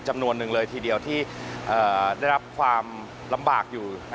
จำนวนหนึ่งเลยทีเดียวที่ได้รับความลำบากอยู่